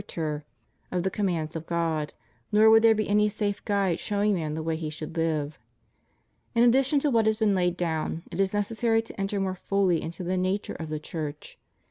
CHIEF DUTIES OF CHRISTIANS AS CITIZENS. 195 of the commands of God, nor would there be any safe guide showing man the way he should live. In addition to what has been laid down, it is necessary to enter more fully into the nature of the Church.